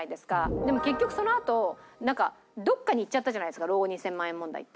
でも結局そのあとなんかどっかに行っちゃったじゃないですか老後２０００万円問題って。